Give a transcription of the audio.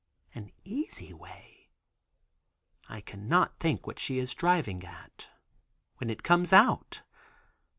"An easy way." I cannot think what she is driving at, when it comes out.